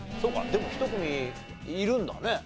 でも１組いるんだね。